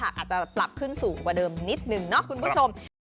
อาจจะปรับขึ้นสูงกว่าเดิมนิดนึงเนาะคุณผู้ชม